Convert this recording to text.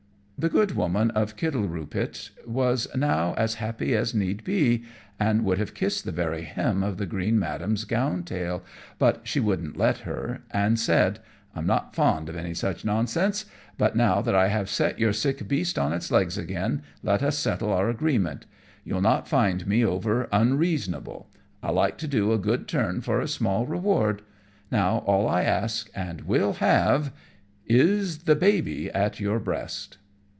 The good woman of Kittleroopit was now as happy as need be, and would have kissed the very hem of the green madam's gown tail, but she wouldn't let her, and said, "I'm not fond of any such nonsense; but now that I have set your sick beast on its legs again let us settle our agreement. You'll not find me over unreasonable. I like to do a good turn for a small reward. Now all I ask, and will have, is the baby at your breast!"